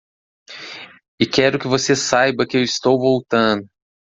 E quero que você saiba que estou voltando.